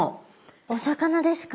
お魚ですか？